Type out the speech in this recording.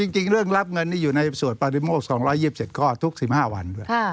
จริงเรื่องรับเงินอยู่ในสวดปฏิโมค๒๒๗ข้อทุก๑๕วัน